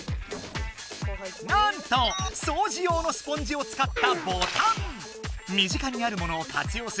なんと掃除用のスポンジを使ったボタン！